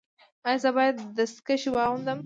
ایا زه باید دستکشې واغوندم؟